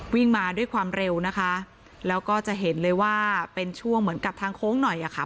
วิ่งมาด้วยความเร็วนะคะแล้วก็จะเห็นเลยว่าเป็นช่วงเหมือนกับทางโค้งหน่อยอะค่ะ